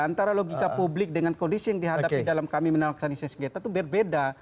antara logika publik dengan kondisi yang dihadapi dalam kami melaksanakan sengketa itu beda